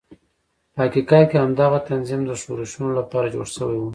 په حقیقت کې همدغه تنظیم د ښورښونو لپاره جوړ شوی و.